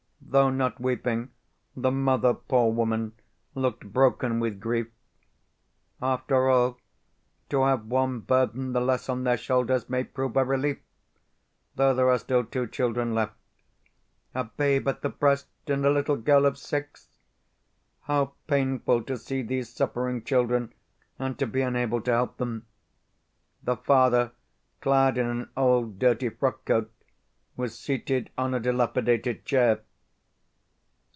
Though not weeping, the mother, poor woman, looked broken with grief. After all, to have one burden the less on their shoulders may prove a relief, though there are still two children left a babe at the breast and a little girl of six! How painful to see these suffering children, and to be unable to help them! The father, clad in an old, dirty frockcoat, was seated on a dilapidated chair.